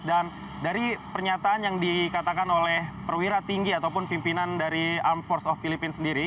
dan dari pernyataan yang dikatakan oleh perwira tinggi ataupun pimpinan dari armed forces of philippines sendiri